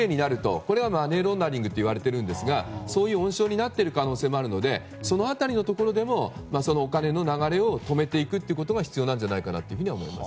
これがマネーロンダリングといわれているんですがそういう温床になっている可能性もあるのでその辺りのところでもお金の流れを止めていくことが必要なんじゃないかなと思います。